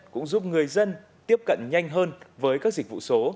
cũng giúp người dân tiếp cận nhanh hơn với các dịch vụ số